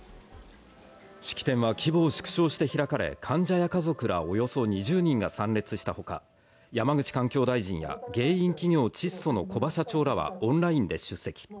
式典は規模を縮小して開かれ、患者や家族らおよそ２０人が参列したほか、山口環境大臣や原因企業、チッソの木庭社長らがオンラインで出席。